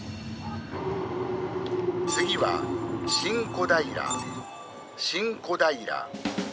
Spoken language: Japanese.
「次は新小平新小平」。